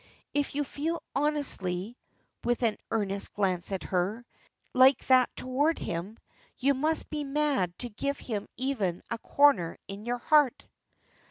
If you feel honestly," with an earnest glance at her, "like that toward him, you must be mad to give him even a corner in your heart."